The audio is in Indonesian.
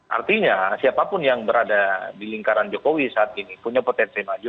artinya siapapun yang berada di lingkaran jokowi saat ini punya potensi maju